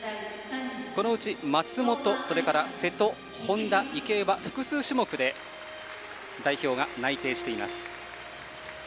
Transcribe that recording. このうち松元それから瀬戸、本多、池江は複数種目で代表が内定しています。